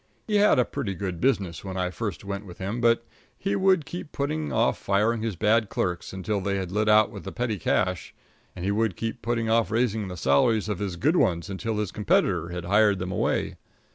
He had a pretty good business when I first went with him, but he would keep putting off firing his bad clerks until they had lit out with the petty cash; and he would keep putting off raising the salaries of his good ones until his competitor had hired them away.